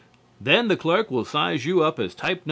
Then the clerk will size you up as type No.